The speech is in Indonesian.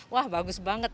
wah bagus banget